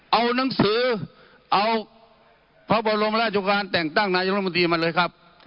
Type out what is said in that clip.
เอาหนังสือเอาบรรจกแตกตั้งในลงมนตรีมันเลยครับ